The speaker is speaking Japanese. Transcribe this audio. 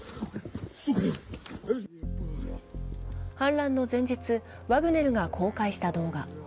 反乱の前日、ワグネルが公開した動画。